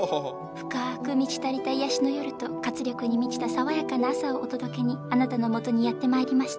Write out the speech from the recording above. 深く満ち足りた癒やしの夜と活力に満ちた爽やかな朝をお届けにあなたのもとにやってまいりました。